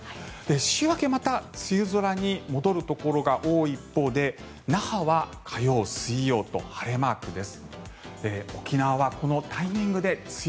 週明け、また梅雨空に戻るところが多い一方で那覇は火曜、水曜と晴れマークです。